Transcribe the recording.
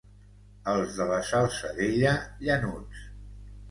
Els de la Salzadella, llanuts.